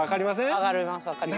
分かります分かります。